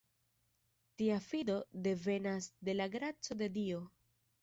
Tia fido devenas de la graco de Dio.